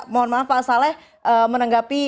mohon maaf pak saleh menanggapi